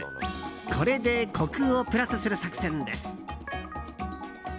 これでコクをプラスする作戦です。